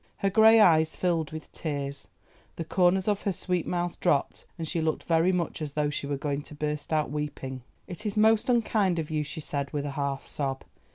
Her grey eyes filled with tears, the corners of her sweet mouth dropped, and she looked very much as though she were going to burst out weeping. "It is most unkind of you," she said, with a half sob.